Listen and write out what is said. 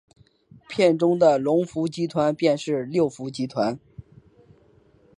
片中的龙福集团便是六福集团。